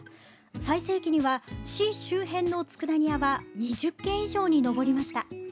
最盛期には市周辺のつくだ煮屋は２０軒以上に上りました。